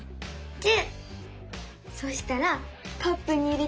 １０！